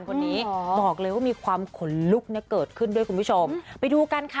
คนนี้บอกเลยว่ามีความขนลุกเนี่ยเกิดขึ้นด้วยคุณผู้ชมไปดูกันค่ะ